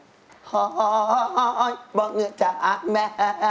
ขอยบอกเงื่อจ้ะแม่